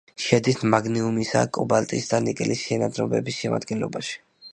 შედის მაგნიუმისა კობალტის და ნიკელის შენადნობების შემადგენლობაში.